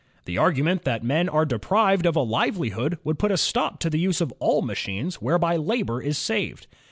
... The argument that men are deprived of a livelihood would put a stop to the use of all machines whereby labor is saved.